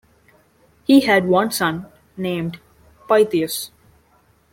He had one son named Pythius.